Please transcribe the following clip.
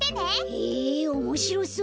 へえおもしろそう。